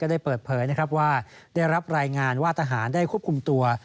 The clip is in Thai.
ก็ได้เปิดเผยว่าได้รับรายงานวาดทหารได้ควบคุมตัว